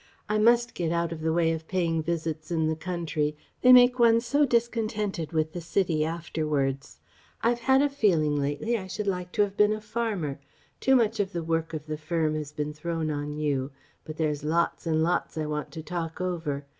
I must get out of the way of paying visits in the country. They make one so discontented with the City afterwards. I've had a feeling lately I should like to have been a farmer.... Too much of the work of the firm has been thrown on you.... But there's lots and lots I want to talk over.